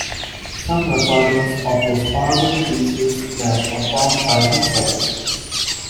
Some recordings of his organ pieces were performed by himself.